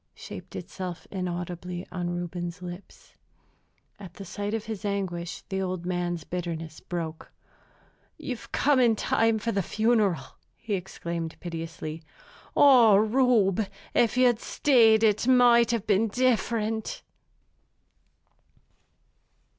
shaped itself inaudibly on Reuben's lips. At the sight of his anguish the old man's bitterness broke. "You've come in time for the funeral," he exclaimed piteously. "Oh, Reube, if you'd stayed it might have been different!"